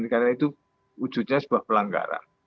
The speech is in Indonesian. karena itu wujudnya sebuah pelanggaran